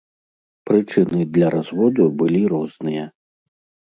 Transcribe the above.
Прычыны для разводу былі розныя.